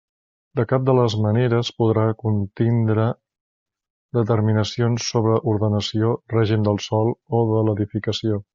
De cap de les maneres podrà contindre determinacions sobre ordenació, règim del sòl o de l'edificació.